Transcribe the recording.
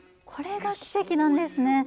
これが奇跡なんですね。